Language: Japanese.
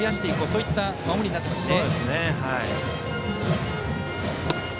そういった守りになってますね。